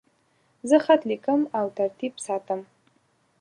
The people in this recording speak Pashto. زه خط لیکم او ترتیب ساتم.